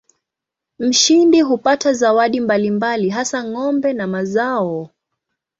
Mshindi hupata zawadi mbalimbali hasa ng'ombe na mazao.